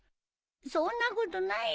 そんなことないよ